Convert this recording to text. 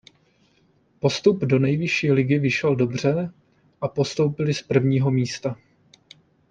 Postup do nejvyšší ligy vyšel dobře a postoupili z prvního místa.